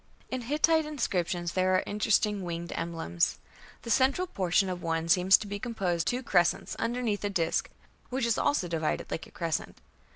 In Hittite inscriptions there are interesting winged emblems; "the central portion" of one "seems to be composed of two crescents underneath a disk (which is also divided like a crescent).